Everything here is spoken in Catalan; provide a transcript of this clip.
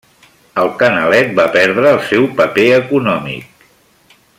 El canalet va perdre el seu paper econòmic.